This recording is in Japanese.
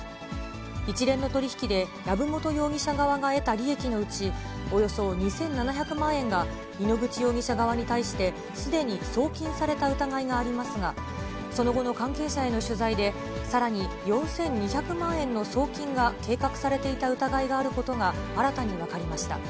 一連の取り引きで、籔本容疑者側が得た利益のうち、およそ２７００万円が、井ノ口容疑者側に対してすでに送金された疑いがありますが、その後の関係者への取材で、さらに４２００万円の送金が計画されていた疑いがあることが新たに分かりました。